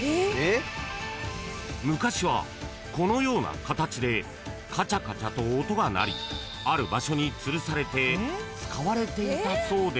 ［昔はこのような形でカチャカチャと音が鳴りある場所につるされて使われていたそうですが］